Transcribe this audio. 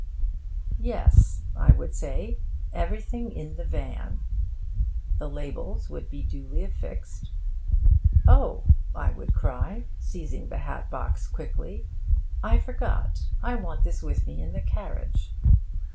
'Yes,' I would say, 'everything in the van!' The labels would be duly affixed. 'Oh,' I would cry, seizing the hat box quickly, 'I forgot. I want this with me in the carriage.'